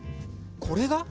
これが？